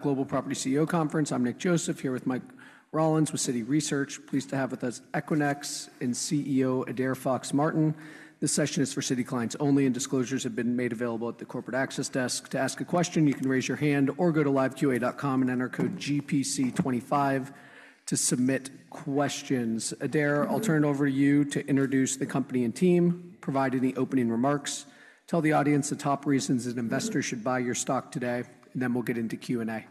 Global Property CEO Conference. I'm Nick Joseph here with Mike Rollins with Citi Research. Pleased to have with us Equinix and CEO Adaire Fox-Martin. This session is for Citi clients only, and disclosures have been made available at the Corporate Access Desk. To ask a question, you can raise your hand or go to liveqa.com and enter code GPC25 to submit questions. Adaire, I'll turn it over to you to introduce the company and team, provide any opening remarks, tell the audience the top reasons an investor should buy your stock today, and then we'll get into Q&A.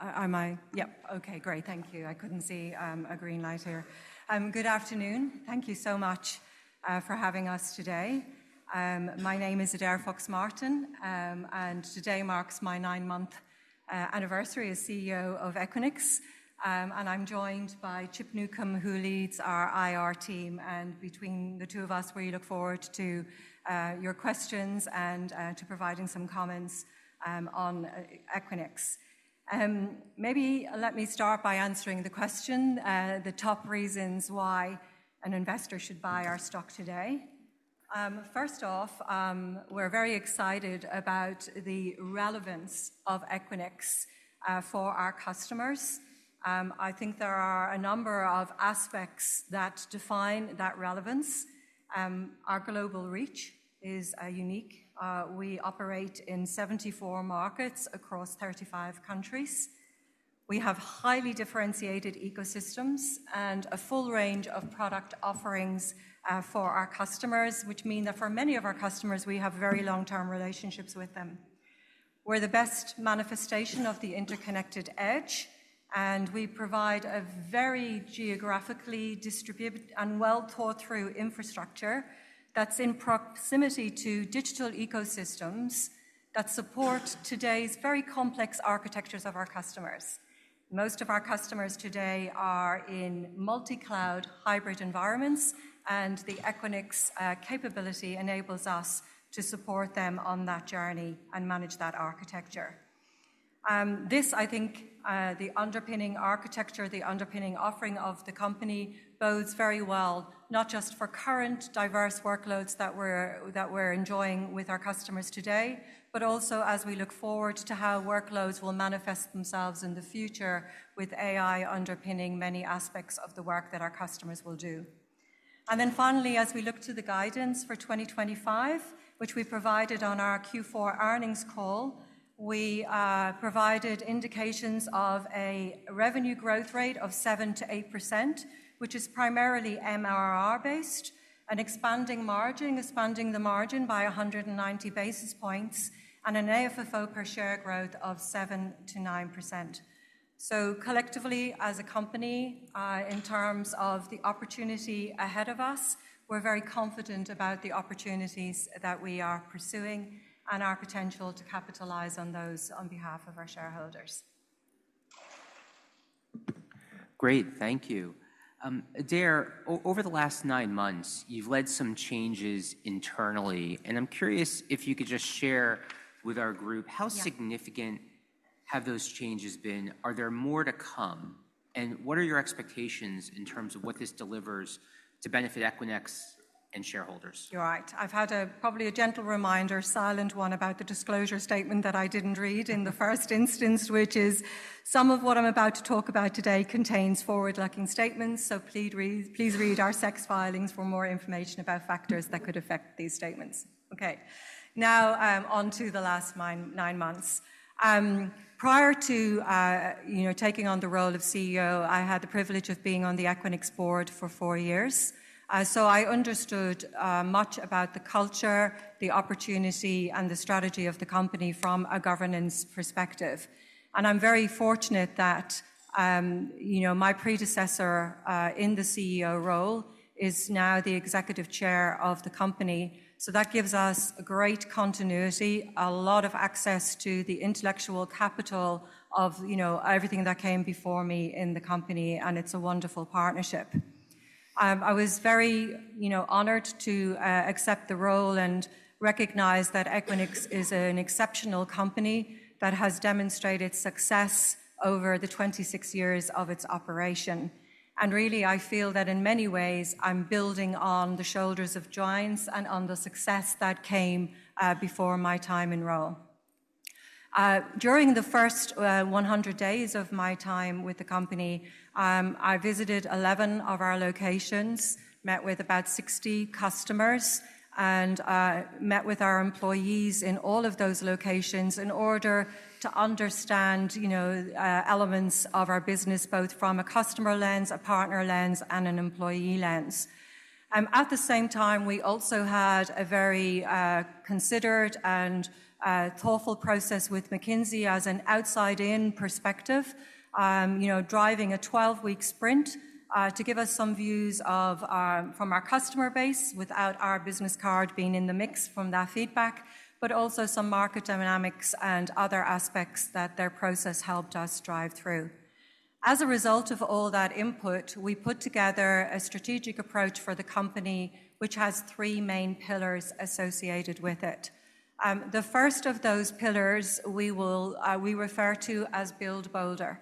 Am I? Yep. Okay, great. Thank you. I couldn't see a green light here. Good afternoon. Thank you so much for having us today. My name is Adaire Fox-Martin, and today marks my nine-month anniversary as CEO of Equinix, and I'm joined by Chip Newcom, who leads our IR team, and between the two of us, we look forward to your questions and to providing some comments on Equinix. Maybe let me start by answering the question, the top reasons why an investor should buy our stock today. First off, we're very excited about the relevance of Equinix for our customers. I think there are a number of aspects that define that relevance. Our global reach is unique. We operate in 74 markets across 35 countries. We have highly differentiated ecosystems and a full range of product offerings for our customers, which mean that for many of our customers, we have very long-term relationships with them. We're the best manifestation of the interconnected edge, and we provide a very geographically distributed and well-thought-through infrastructure that's in proximity to digital ecosystems that support today's very complex architectures of our customers. Most of our customers today are in multi-cloud hybrid environments, and the Equinix capability enables us to support them on that journey and manage that architecture. This, I think, the underpinning architecture, the underpinning offering of the company bodes very well, not just for current diverse workloads that we're enjoying with our customers today, but also as we look forward to how workloads will manifest themselves in the future with AI underpinning many aspects of the work that our customers will do. And then finally, as we look to the guidance for 2025, which we provided on our Q4 earnings call, we provided indications of a revenue growth rate of 7%-8%, which is primarily MRR-based, an expanding margin, expanding the margin by 190 basis points, and an AFFO per share growth of 7%-9%. So collectively, as a company, in terms of the opportunity ahead of us, we're very confident about the opportunities that we are pursuing and our potential to capitalize on those on behalf of our shareholders. Great. Thank you. Adaire, over the last nine months, you've led some changes internally, and I'm curious if you could just share with our group how significant have those changes been? Are there more to come, and what are your expectations in terms of what this delivers to benefit Equinix and shareholders? You're right. I've had probably a gentle reminder, a silent one about the disclosure statement that I didn't read in the first instance, which is some of what I'm about to talk about today contains forward-looking statements, so please read our SEC filings for more information about factors that could affect these statements. Okay. Now on to the last nine months. Prior to taking on the role of CEO, I had the privilege of being on the Equinix board for four years. So I understood much about the culture, the opportunity, and the strategy of the company from a governance perspective, and I'm very fortunate that my predecessor in the CEO role is now the executive chair of the company. So that gives us a great continuity, a lot of access to the intellectual capital of everything that came before me in the company, and it's a wonderful partnership. I was very honored to accept the role and recognize that Equinix is an exceptional company that has demonstrated success over the 26 years of its operation, and really, I feel that in many ways, I'm building on the shoulders of giants and on the success that came before my time in role. During the first 100 days of my time with the company, I visited 11 of our locations, met with about 60 customers, and met with our employees in all of those locations in order to understand elements of our business, both from a customer lens, a partner lens, and an employee lens. At the same time, we also had a very considered and thoughtful process with McKinsey as an outside-in perspective, driving a 12-week sprint to give us some views from our customer base without our business card being in the mix from that feedback, but also some market dynamics and other aspects that their process helped us drive through. As a result of all that input, we put together a strategic approach for the company, which has three main pillars associated with it. The first of those pillars we refer to as Build Bolder.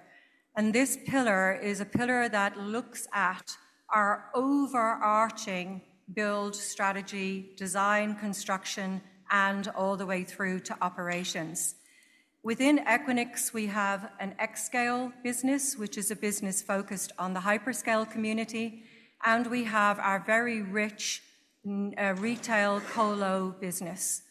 And this pillar is a pillar that looks at our overarching build strategy, design, construction, and all the way through to operations. Within Equinix, we have an xScale business, which is a business focused on the hyperscale community, and we have our very rich retail colo business.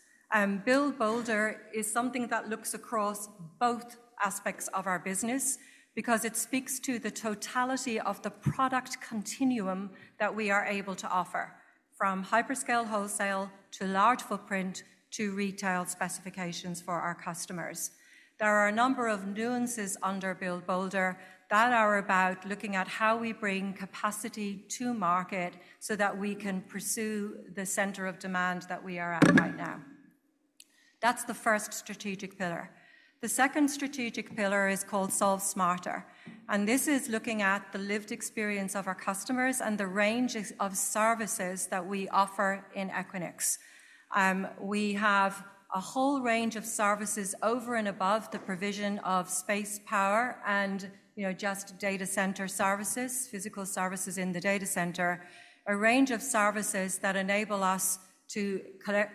Build Bolder is something that looks across both aspects of our business because it speaks to the totality of the product continuum that we are able to offer, from hyperscale wholesale to large footprint to retail specifications for our customers. There are a number of nuances under Build Bolder that are about looking at how we bring capacity to market so that we can pursue the center of demand that we are at right now. That's the first strategic pillar. The second strategic pillar is called Solve Smarter. And this is looking at the lived experience of our customers and the range of services that we offer in Equinix. We have a whole range of services over and above the provision of space power and just data center services, physical services in the data center, a range of services that enable us to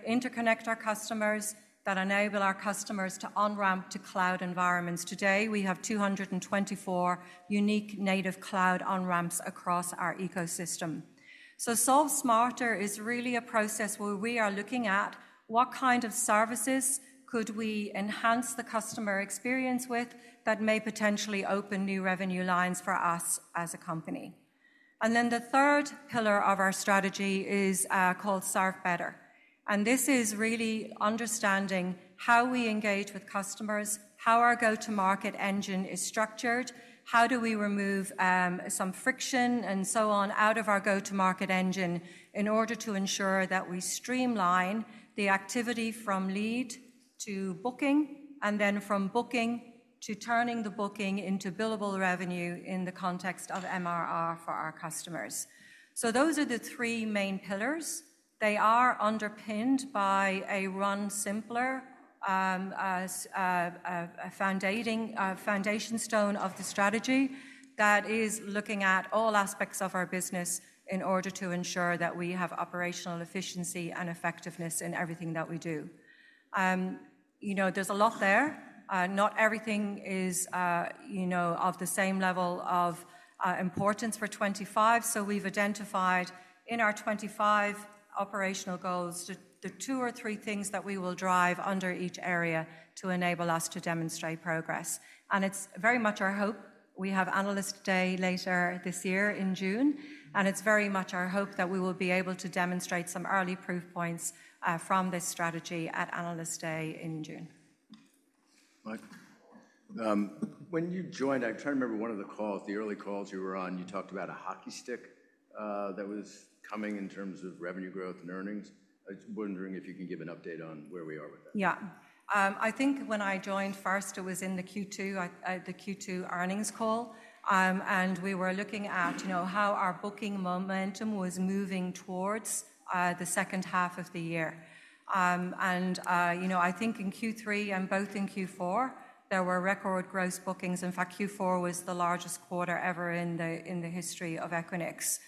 interconnect our customers, that enable our customers to on-ramp to cloud environments. Today, we have 224 unique native cloud on-ramps across our ecosystem, so Solve Smarter is really a process where we are looking at what kind of services could we enhance the customer experience with that may potentially open new revenue lines for us as a company, and then the third pillar of our strategy is called Serve Better. This is really understanding how we engage with customers, how our go-to-market engine is structured, how do we remove some friction and so on out of our go-to-market engine in order to ensure that we streamline the activity from lead to booking and then from booking to turning the booking into billable revenue in the context of MRR for our customers. So those are the three main pillars. They are underpinned by Run Simpler, a foundation stone of the strategy that is looking at all aspects of our business in order to ensure that we have operational efficiency and effectiveness in everything that we do. There's a lot there. Not everything is of the same level of importance for 2025. So we've identified in our 2025 operational goals the two or three things that we will drive under each area to enable us to demonstrate progress. It's very much our hope. We have Analyst Day later this year in June, and it's very much our hope that we will be able to demonstrate some early proof points from this strategy at Analyst Day in June. When you joined, I'm trying to remember one of the calls, the early calls you were on, you talked about a hockey stick that was coming in terms of revenue growth and earnings. I was wondering if you can give an update on where we are with that. Yeah. I think when I joined first, it was in the Q2 earnings call, and we were looking at how our booking momentum was moving towards the second half of the year. I think in Q3 and both in Q4, there were record gross bookings. In fact, Q4 was the largest quarter ever in the history of Equinix.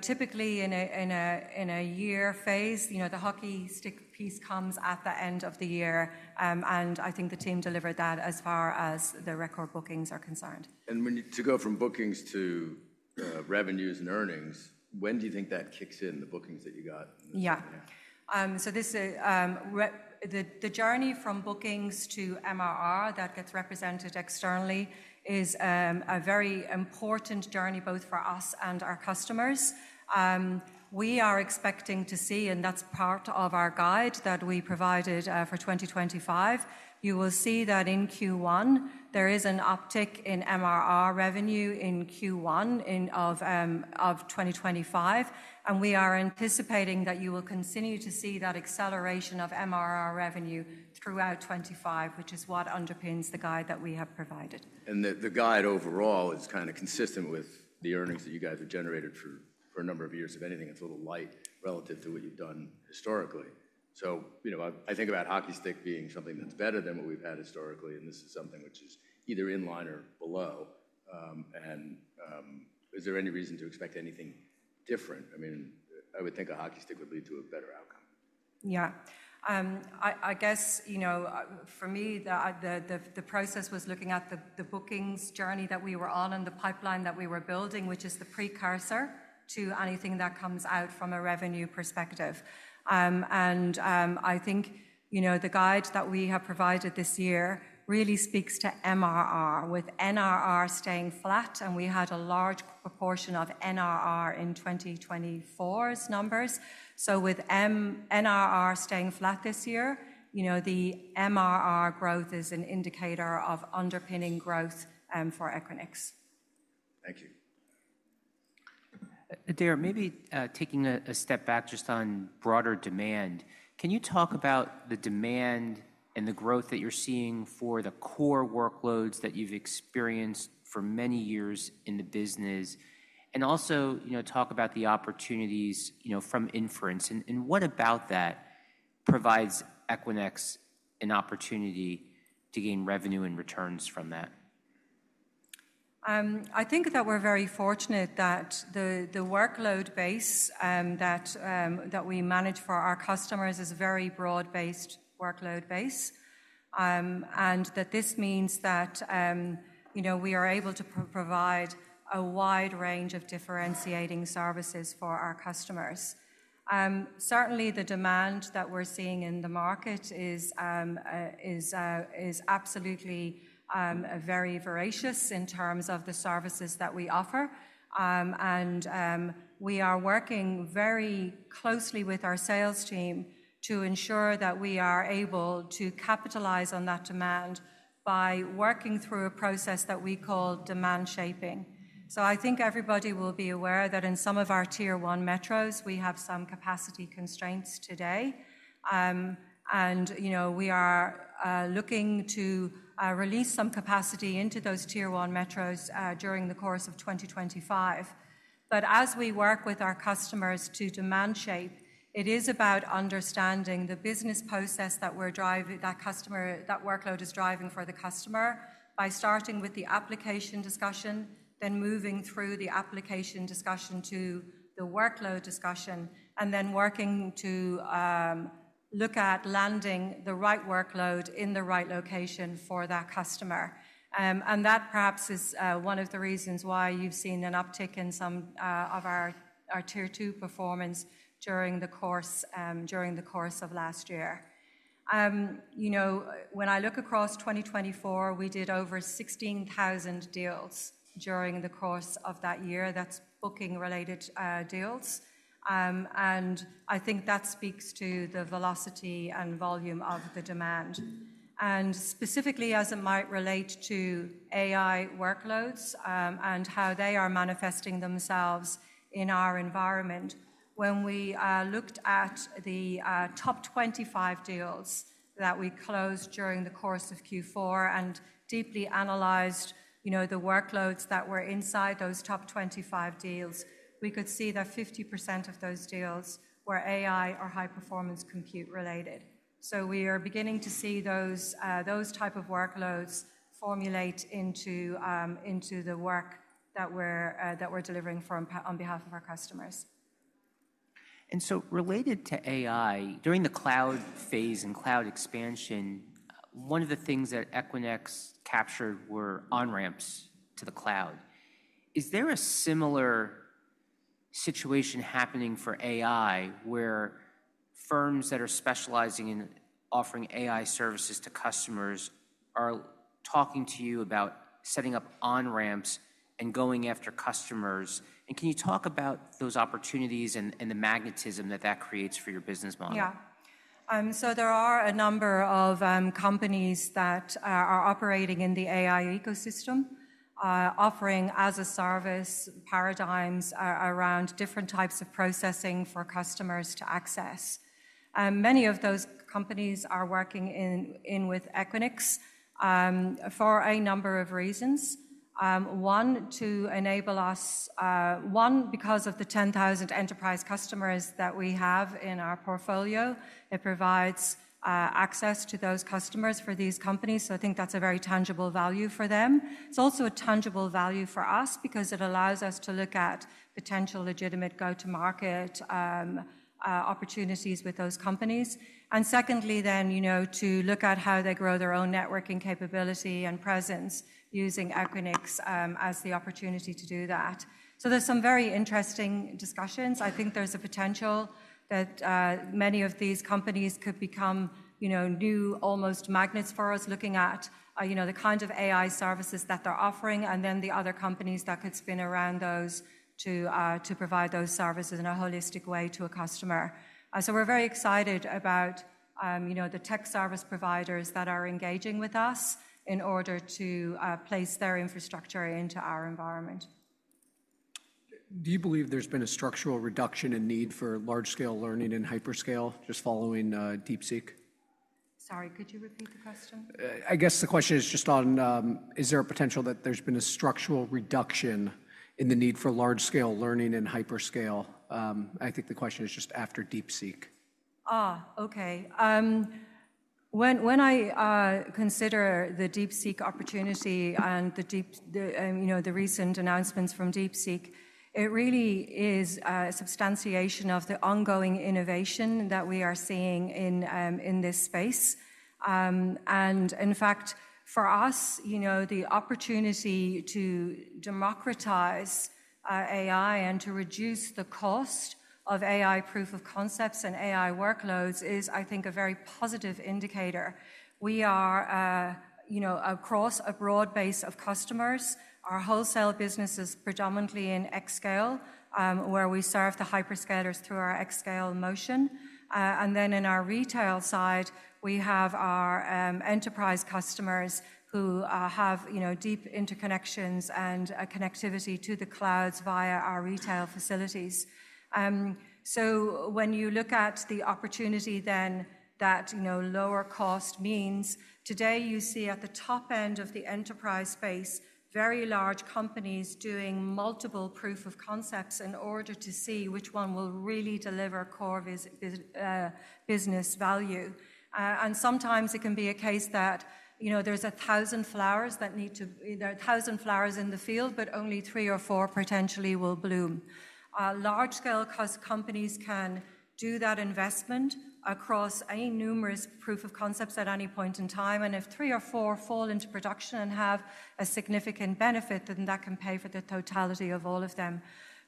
Typically in a year phase, the hockey stick piece comes at the end of the year, and I think the team delivered that as far as the record bookings are concerned. When you go from bookings to revenues and earnings, when do you think that kicks in, the bookings that you got? Yeah, so the journey from bookings to MRR that gets represented externally is a very important journey both for us and our customers. We are expecting to see, and that's part of our guide that we provided for 2025. You will see that in Q1, there is an uptick in MRR revenue in Q1 of 2025, and we are anticipating that you will continue to see that acceleration of MRR revenue throughout 2025, which is what underpins the guide that we have provided. And the guide overall is kind of consistent with the earnings that you guys have generated for a number of years. If anything, it's a little light relative to what you've done historically. So I think about hockey stick being something that's better than what we've had historically, and this is something which is either in line or below. And is there any reason to expect anything different? I mean, I would think a hockey stick would lead to a better outcome. Yeah. I guess for me, the process was looking at the bookings journey that we were on and the pipeline that we were building, which is the precursor to anything that comes out from a revenue perspective, and I think the guide that we have provided this year really speaks to MRR with NRR staying flat, and we had a large proportion of NRR in 2024's numbers, so with NRR staying flat this year, the MRR growth is an indicator of underpinning growth for Equinix. Thank you. Adaire, maybe taking a step back just on broader demand, can you talk about the demand and the growth that you're seeing for the core workloads that you've experienced for many years in the business, and also talk about the opportunities from inference, and what about that provides Equinix an opportunity to gain revenue and returns from that? I think that we're very fortunate that the workload base that we manage for our customers is a very broad-based workload base, and that this means that we are able to provide a wide range of differentiating services for our customers. Certainly, the demand that we're seeing in the market is absolutely very voracious in terms of the services that we offer. And we are working very closely with our sales team to ensure that we are able to capitalize on that demand by working through a process that we call demand shaping. So I think everybody will be aware that in some of our Tier 1 metros, we have some capacity constraints today. And we are looking to release some capacity into those Tier 1 metros during the course of 2025. But as we work with our customers to demand shape, it is about understanding the business process that that workload is driving for the customer by starting with the application discussion, then moving through the application discussion to the workload discussion, and then working to look at landing the right workload in the right location for that customer. And that perhaps is one of the reasons why you've seen an uptick in some of our Tier 2 performance during the course of last year. When I look across 2024, we did over 16,000 deals during the course of that year. That's booking-related deals. And I think that speaks to the velocity and volume of the demand. And specifically, as it might relate to AI workloads and how they are manifesting themselves in our environment, when we looked at the top 25 deals that we closed during the course of Q4 and deeply analyzed the workloads that were inside those top 25 deals, we could see that 50% of those deals were AI or high-performance compute-related. So we are beginning to see those type of workloads formulate into the work that we're delivering on behalf of our customers. And so related to AI, during the cloud phase and cloud expansion, one of the things that Equinix captured were on-ramps to the cloud. Is there a similar situation happening for AI where firms that are specializing in offering AI services to customers are talking to you about setting up on-ramps and going after customers? And can you talk about those opportunities and the magnetism that that creates for your business model? Yeah. So there are a number of companies that are operating in the AI ecosystem, offering as-a-service paradigms around different types of processing for customers to access. Many of those companies are working in with Equinix for a number of reasons. One, to enable us, one, because of the 10,000 enterprise customers that we have in our portfolio, it provides access to those customers for these companies. So I think that's a very tangible value for them. It's also a tangible value for us because it allows us to look at potential legitimate go-to-market opportunities with those companies. And secondly, then to look at how they grow their own networking capability and presence using Equinix as the opportunity to do that. So there's some very interesting discussions. I think there's a potential that many of these companies could become new, almost magnets for us, looking at the kind of AI services that they're offering, and then the other companies that could spin around those to provide those services in a holistic way to a customer. So we're very excited about the tech service providers that are engaging with us in order to place their infrastructure into our environment. Do you believe there's been a structural reduction in need for large-scale learning and hyperscale just following DeepSeek? Sorry, could you repeat the question? I guess the question is just on, is there a potential that there's been a structural reduction in the need for large-scale learning and hyperscale? I think the question is just after DeepSeek. Okay. When I consider the DeepSeek opportunity and the recent announcements from DeepSeek, it really is a substantiation of the ongoing innovation that we are seeing in this space. And in fact, for us, the opportunity to democratize AI and to reduce the cost of AI proof of concepts and AI workloads is, I think, a very positive indicator. We are across a broad base of customers. Our wholesale business is predominantly in xScale, where we serve the hyperscalers through our xScale motion. And then in our retail side, we have our enterprise customers who have deep interconnections and connectivity to the clouds via our retail facilities. So when you look at the opportunity then that lower cost means, today you see at the top end of the enterprise space, very large companies doing multiple proof of concepts in order to see which one will really deliver core business value. Sometimes it can be a case that there's a thousand flowers in the field, but only three or four potentially will bloom. Large-scale companies can do that investment across numerous proof of concepts at any point in time. If three or four fall into production and have a significant benefit, then that can pay for the totality of all of them.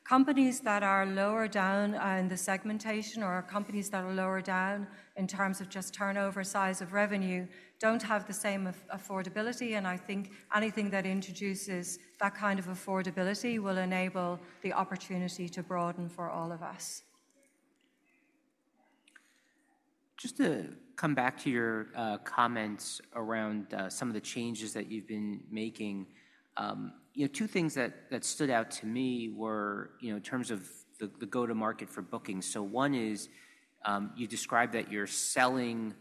Companies that are lower down in the segmentation or companies that are lower down in terms of just turnover size of revenue don't have the same affordability. I think anything that introduces that kind of affordability will enable the opportunity to broaden for all of us. Just to come back to your comments around some of the changes that you've been making, two things that stood out to me were in terms of the go-to-market for bookings. So one is you described that you're selling,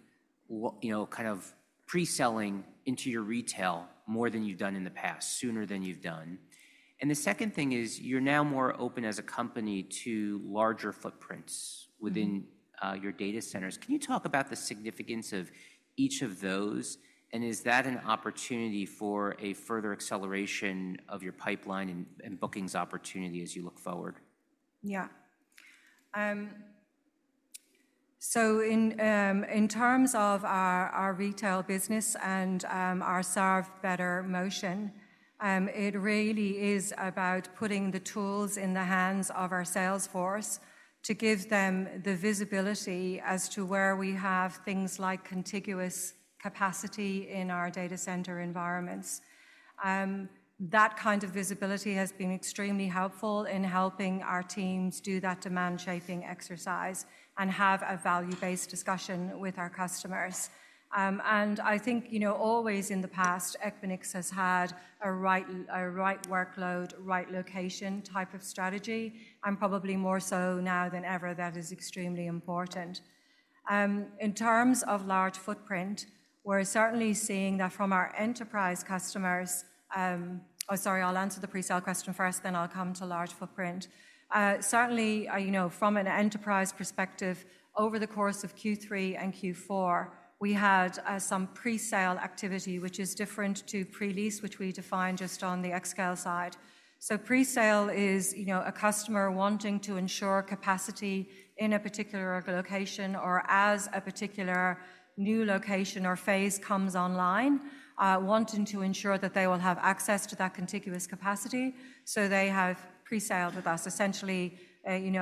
kind of pre-selling into your retail more than you've done in the past, sooner than you've done. And the second thing is you're now more open as a company to larger footprints within your data centers. Can you talk about the significance of each of those, and is that an opportunity for a further acceleration of your pipeline and bookings opportunity as you look forward? Yeah. So in terms of our retail business and our serve better motion, it really is about putting the tools in the hands of our sales force to give them the visibility as to where we have things like contiguous capacity in our data center environments. That kind of visibility has been extremely helpful in helping our teams do that demand shaping exercise and have a value-based discussion with our customers. And I think always in the past, Equinix has had a right workload, right location type of strategy, and probably more so now than ever, that is extremely important. In terms of large footprint, we're certainly seeing that from our enterprise customers. Oh, sorry, I'll answer the pre-sale question first, then I'll come to large footprint. Certainly, from an enterprise perspective, over the course of Q3 and Q4, we had some pre-sale activity, which is different to pre-lease, which we defined just on the xScale side. So pre-sale is a customer wanting to ensure capacity in a particular location or as a particular new location or phase comes online, wanting to ensure that they will have access to that contiguous capacity. So they have pre-saled with us, essentially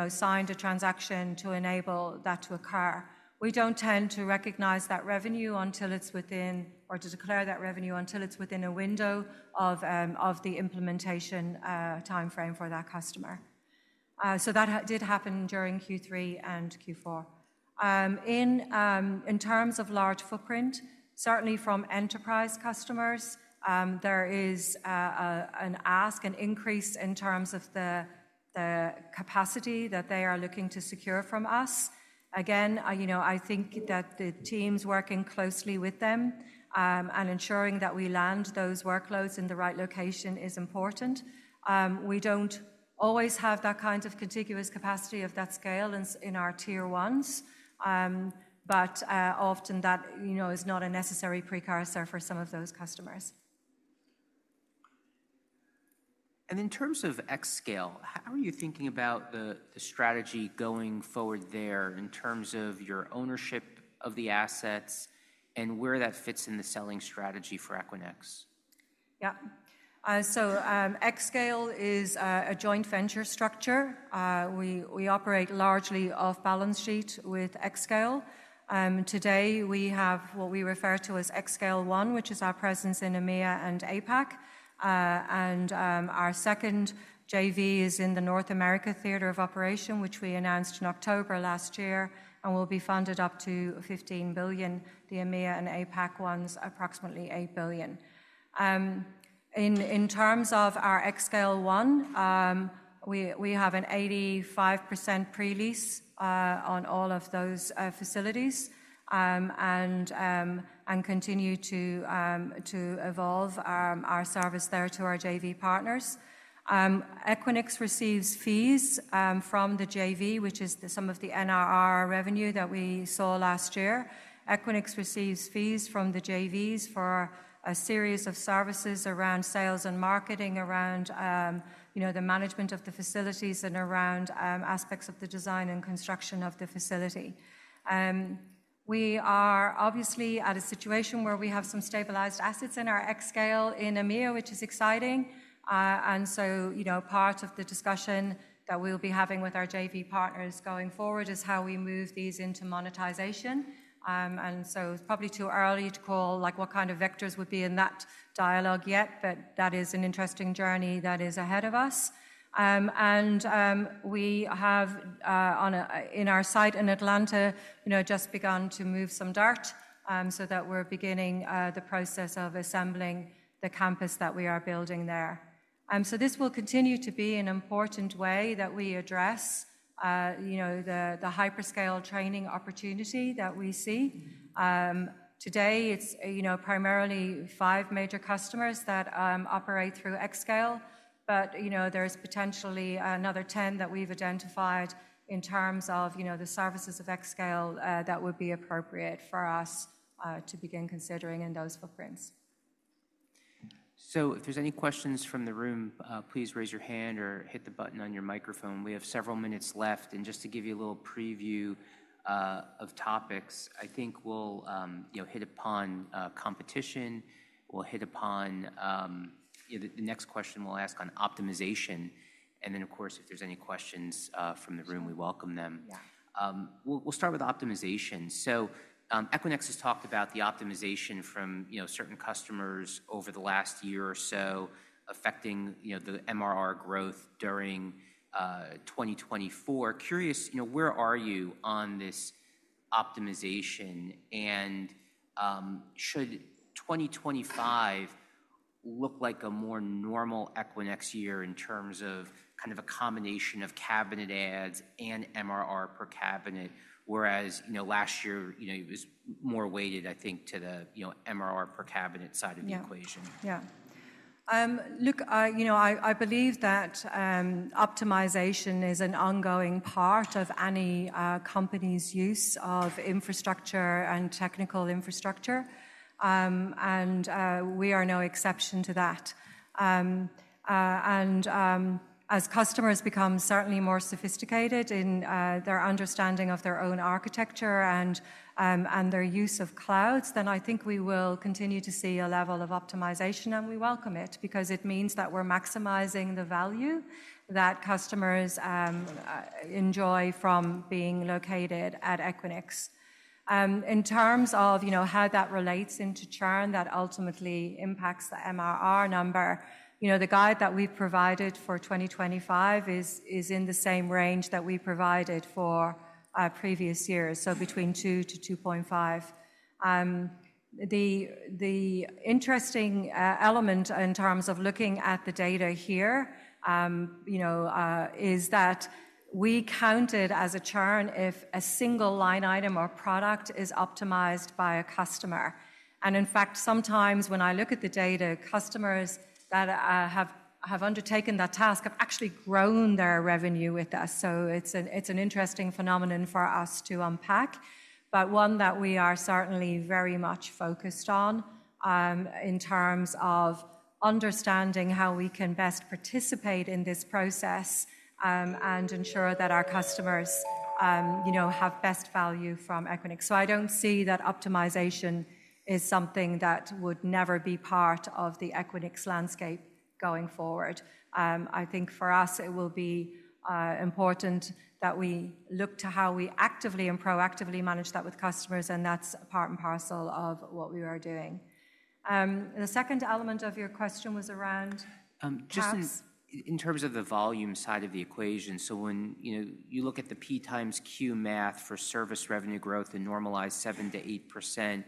signed a transaction to enable that to occur. We don't tend to recognize that revenue until it's within, or to declare that revenue until it's within a window of the implementation timeframe for that customer. So that did happen during Q3 and Q4. In terms of large footprint, certainly from enterprise customers, there is an ask, an increase in terms of the capacity that they are looking to secure from us. Again, I think that the teams working closely with them and ensuring that we land those workloads in the right location is important. We don't always have that kind of contiguous capacity of that scale in our Tier 1s, but often that is not a necessary precursor for some of those customers. In terms of xScale, how are you thinking about the strategy going forward there in terms of your ownership of the assets and where that fits in the selling strategy for Equinix? Yeah, so xScale is a joint venture structure. We operate largely off balance sheet with xScale. Today, we have what we refer to as xScale One, which is our presence in EMEA and APAC, and our second JV is in the North America Theater of Operation, which we announced in October last year and will be funded up to $15 billion. The EMEA and APAC ones, approximately $8 billion. In terms of our xScale One, we have an 85% pre-lease on all of those facilities and continue to evolve our service there to our JV partners. Equinix receives fees from the JV, which is some of the NRR revenue that we saw last year. Equinix receives fees from the JVs for a series of services around sales and marketing, around the management of the facilities, and around aspects of the design and construction of the facility. We are obviously at a situation where we have some stabilized assets in our xScale in EMEA, which is exciting. And so part of the discussion that we'll be having with our JV partners going forward is how we move these into monetization. And so it's probably too early to call what kind of vectors would be in that dialogue yet, but that is an interesting journey that is ahead of us. And we have, in our site in Atlanta, just begun to move some dirt so that we're beginning the process of assembling the campus that we are building there. So this will continue to be an important way that we address the hyperscale training opportunity that we see. Today, it's primarily five major customers that operate through xScale, but there's potentially another 10 that we've identified in terms of the services of xScale that would be appropriate for us to begin considering in those footprints. So if there's any questions from the room, please raise your hand or hit the button on your microphone. We have several minutes left. And just to give you a little preview of topics, I think we'll hit upon competition. We'll hit upon the next question we'll ask on optimization. And then, of course, if there's any questions from the room, we welcome them. We'll start with optimization. So Equinix has talked about the optimization from certain customers over the last year or so affecting the MRR growth during 2024. Curious, where are you on this optimization? And should 2025 look like a more normal Equinix year in terms of kind of a combination of cabinet adds and MRR per cabinet, whereas last year it was more weighted, I think, to the MRR per cabinet side of the equation? Yeah. Look, I believe that optimization is an ongoing part of any company's use of infrastructure and technical infrastructure. And we are no exception to that. And as customers become certainly more sophisticated in their understanding of their own architecture and their use of clouds, then I think we will continue to see a level of optimization, and we welcome it because it means that we're maximizing the value that customers enjoy from being located at Equinix. In terms of how that relates into churn that ultimately impacts the MRR number, the guide that we've provided for 2025 is in the same range that we provided for previous years, so between 2 to 2.5. The interesting element in terms of looking at the data here is that we counted as a churn if a single line item or product is optimized by a customer. In fact, sometimes when I look at the data, customers that have undertaken that task have actually grown their revenue with us. So it's an interesting phenomenon for us to unpack, but one that we are certainly very much focused on in terms of understanding how we can best participate in this process and ensure that our customers have best value from Equinix. So I don't see that optimization is something that would never be part of the Equinix landscape going forward. I think for us, it will be important that we look to how we actively and proactively manage that with customers, and that's a part and parcel of what we are doing. The second element of your question was around. Just in terms of the volume side of the equation, so when you look at the PxQ math for service revenue growth and normalize 7%-8%,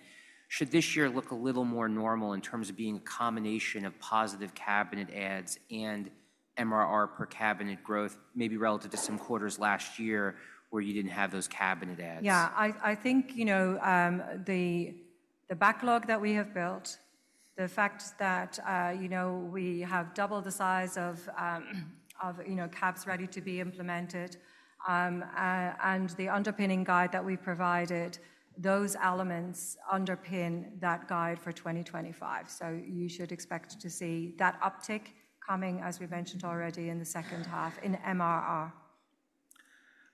should this year look a little more normal in terms of being a combination of positive cabinet adds and MRR per cabinet growth, maybe relative to some quarters last year where you didn't have those cabinet adds? Yeah. I think the backlog that we have built, the fact that we have doubled the size of cabs ready to be implemented, and the underpinning guidance that we provided, those elements underpin that guidance for 2025. So you should expect to see that uptick coming, as we mentioned already, in the second half in MRR.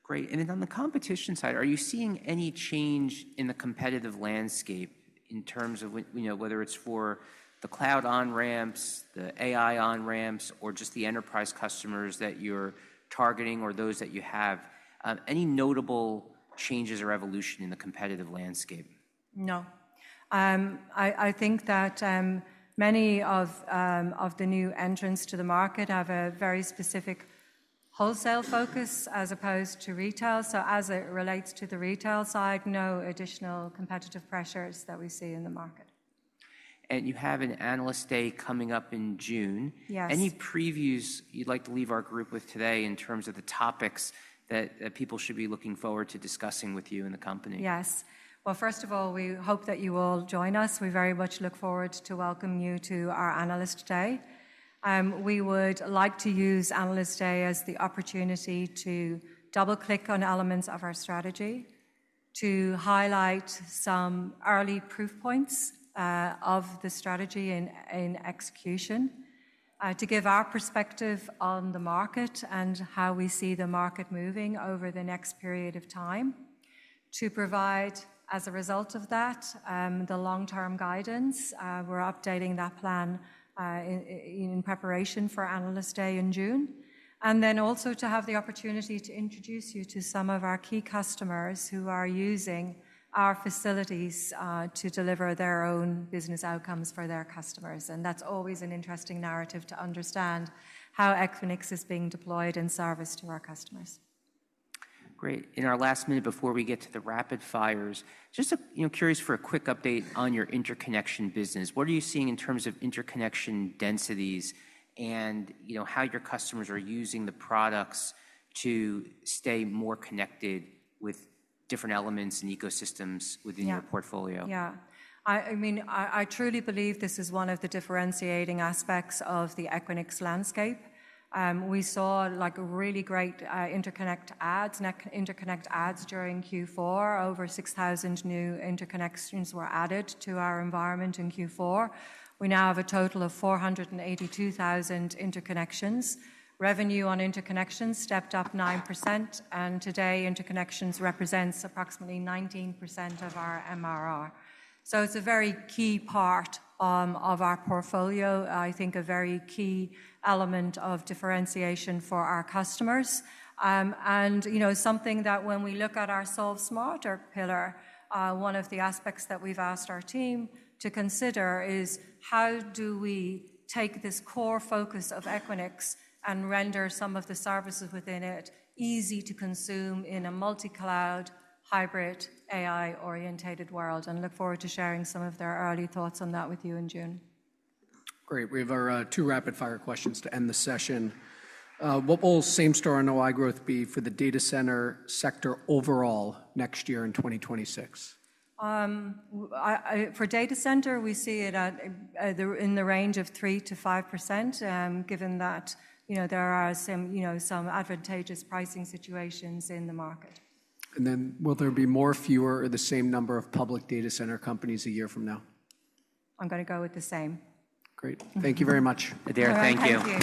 Great. And on the competition side, are you seeing any change in the competitive landscape in terms of whether it's for the cloud on-ramps, the AI on-ramps, or just the enterprise customers that you're targeting or those that you have? Any notable changes or evolution in the competitive landscape? No. I think that many of the new entrants to the market have a very specific wholesale focus as opposed to retail. So as it relates to the retail side, no additional competitive pressures that we see in the market. You have an analyst day coming up in June. Yes. Any previews you'd like to leave our group with today in terms of the topics that people should be looking forward to discussing with you and the company? Yes, well, first of all, we hope that you will join us. We very much look forward to welcoming you to our analyst day. We would like to use analyst day as the opportunity to double-click on elements of our strategy, to highlight some early proof points of the strategy in execution, to give our perspective on the market and how we see the market moving over the next period of time, to provide, as a result of that, the long-term guidance. We're updating that plan in preparation for analyst day in June, and then also to have the opportunity to introduce you to some of our key customers who are using our facilities to deliver their own business outcomes for their customers, and that's always an interesting narrative to understand how Equinix is being deployed and serviced to our customers. Great. In our last minute before we get to the rapid fires, just curious for a quick update on your interconnection business. What are you seeing in terms of interconnection densities and how your customers are using the products to stay more connected with different elements and ecosystems within your portfolio? Yeah. I mean, I truly believe this is one of the differentiating aspects of the Equinix landscape. We saw really great interconnect adds during Q4. Over 6,000 new interconnections were added to our environment in Q4. We now have a total of 482,000 interconnections. Revenue on interconnections stepped up 9%. And today, interconnections represents approximately 19% of our MRR. So it's a very key part of our portfolio, I think a very key element of differentiation for our customers. And something that when we look at our Solve Smarter pillar, one of the aspects that we've asked our team to consider is how do we take this core focus of Equinix and render some of the services within it easy to consume in a multi-cloud, hybrid, AI-oriented world. And look forward to sharing some of their early thoughts on that with you in June. Great. We have our two rapid-fire questions to end the session. What will Same-Store NOI Growth be for the data center sector overall next year in 2026? For data center, we see it in the range of 3%-5%, given that there are some advantageous pricing situations in the market. Then will there be more or fewer or the same number of public data center companies a year from now? I'm going to go with the same. Great. Thank you very much. Thank you.